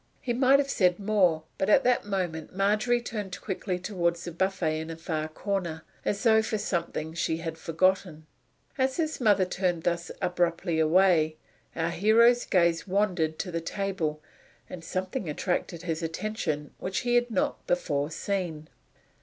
He might have said more, but at that moment Margery turned quickly toward the buffet in a far corner, as though for something she had forgotten. As his mother turned thus abruptly away, our hero's gaze wandered to the table, and something attracted his attention which he had not before seen.